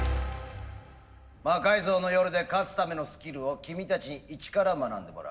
「魔改造の夜」で勝つためのスキルを君たちに一から学んでもらう。